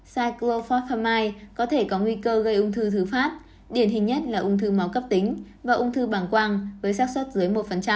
cyclophosphamide có thể có nguy cơ gây ung thư thứ pháp điển hình nhất là ung thư máu cấp tính và ung thư bảng quang với sát xuất dưới một